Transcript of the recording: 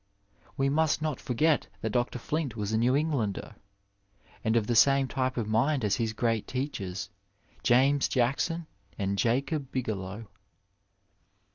We must not forget that Dr. Flint was a New Englander, and of the same type of mind as his great teachers — James Jackson and Jacob Bigelow.